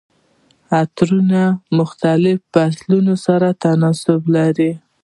عطرونه د مختلفو فصلونو سره تناسب لري.